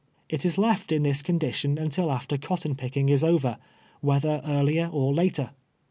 It is left in this condi tion until after cotton picking is over, wlietlier earlier or later.